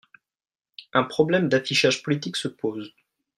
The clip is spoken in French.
Un problème d’affichage politique se pose.